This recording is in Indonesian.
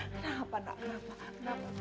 kenapa nenek kenapa